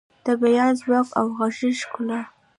د بیان ځواک او غږیز ښکلا